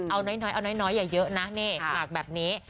เอาน้อยอย่าเยอะนะหมากแบบนี้